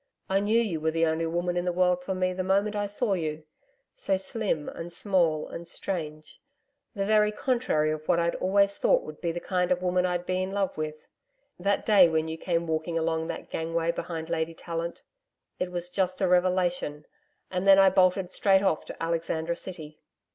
I knew you were the only woman in the world for me the moment I saw you so slim and small and strange, the very contrary of what I'd always thought would be the kind of woman I'd be in love with that day when you came walking along that gangway behind Lady Tallant. It was just a revelation, and then I bolted straight off to Alexandra City.'